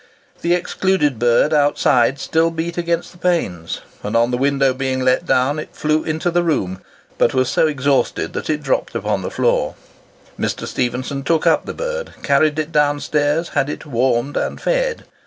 The excluded bird outside still beat against the panes; and on the window being let down, it flew into the room, but was so exhausted that it dropped upon the floor. Mr. Stephenson took up the bird, carried it down stairs, had it warmed and fed.